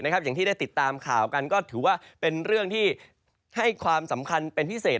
อย่างที่ได้ติดตามข่าวกันก็ถือว่าเป็นเรื่องที่ให้ความสำคัญเป็นพิเศษ